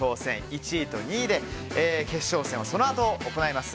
１位と２位で決勝戦をそのあと行います。